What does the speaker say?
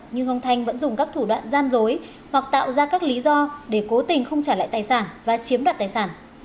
nhưng ông thanh vẫn dùng các thủ đoạn gian dối hoặc tạo ra các lý do để cố tình không trả lại tài sản và chiếm đoạt tài sản